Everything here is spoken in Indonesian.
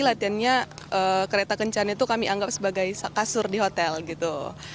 latihannya kereta kencan itu kami anggap sebagai kasur di hotel gitu